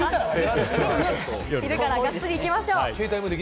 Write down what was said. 昼からガッツリいきましょう。